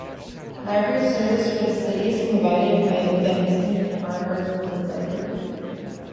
Library service for the city is provided by the Benton Harbor Public Library.